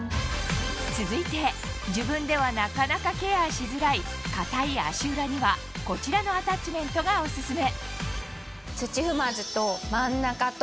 続いて自分ではなかなかケアしづらい硬い足裏にはこちらのアタッチメントがオススメ